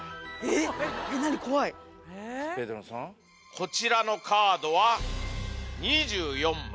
こちらのカードは２４枚。